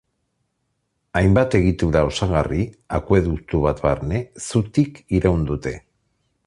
Hainbat egitura osagarri, akueduktu bat barne, zutik iraun dute.